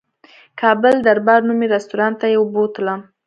کابل دربار نومي رستورانت ته یې بوتلم.